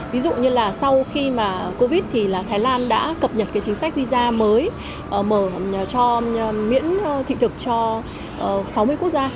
ví dụ như là sau khi covid thì là thái lan đã cập nhật chính sách visa mới mở miễn thị thực cho sáu mươi quốc gia